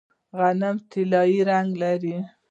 غنم طلایی رنګ لري.